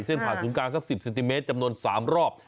ผ่านศูนย์กลางสัก๑๐เซนติเมตรจำนวน๓รอบ